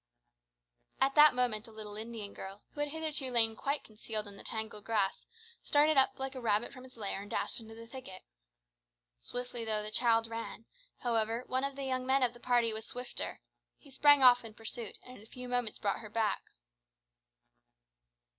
At that moment a little Indian girl, who had hitherto lain quite concealed in the tangled grass, started up like a rabbit from its lair and dashed into the thicket. Swiftly though the child ran, however, one of the young men of the party was swifter. He sprang off in pursuit, and in a few moments brought her back.